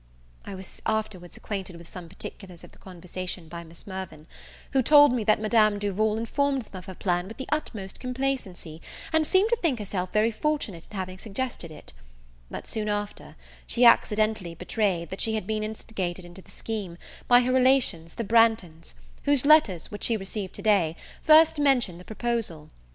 I was afterwards accquainted with some particulars of the conversation by Miss Mirvan; who told me that Madame Duval informed them of her plan wih the utmost complacency, and seemed to think herself very fortunate in having suggested it; but, soon after, she accidentally betrayed, that she had been instigated to the scheme by her relations the Branghtons, whose letters, which she received today, first mentioned the proposal.